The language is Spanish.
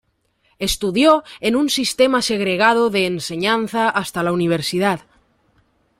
Estudió en un sistema segregado de enseñanza hasta la universidad.